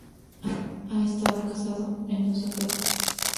Ha estado casado en dos ocasiones.